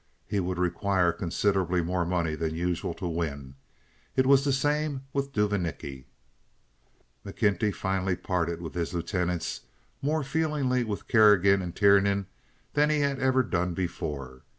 He would require considerably more money than usual to win. It was the same with Duvanicki. McKenty finally parted with his lieutenants—more feelingly with Kerrigan and Tiernan than he had ever done before.